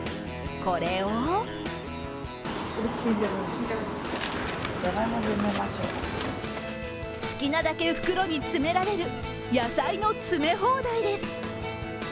これを好きなだけ袋に詰められる野菜の詰め放題です。